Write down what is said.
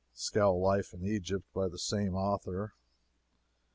Scow Life in Egypt, by the same author.